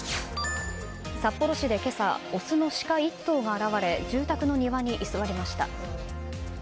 札幌市で今朝オスのシカ１頭が現れ住宅の庭に居座りました。